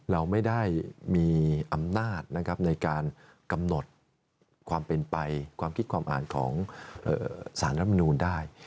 เราไม่ได้มีอำนาจนะครับในการกำหนดความเป็นไปความคิดความอ่านของสารรัฐมนูลได้